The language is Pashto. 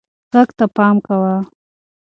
غږ ته پام کوه.